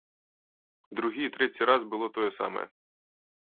Другі і трэці раз было тое самае.